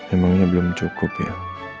emangnya belum cukup ya